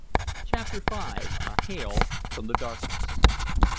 CHAPTER V. A HAIL FROM THE DARKNESS.